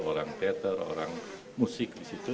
orang teater orang musik di situ